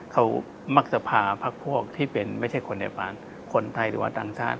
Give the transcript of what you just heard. เขามักจะพาพักพวกที่เป็นไม่ใช่คนในบ้านคนไทยหรือว่าต่างชาติ